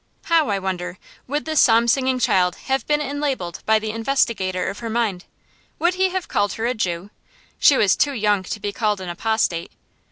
How, I wonder, would this Psalm singing child have be enlabelled by the investigator of her mind? Would he have called her a Jew? She was too young to be called an apostate.